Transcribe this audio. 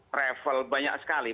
travel banyak sekali